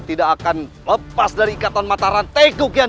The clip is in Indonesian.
saya akan menjaga kebenaran raden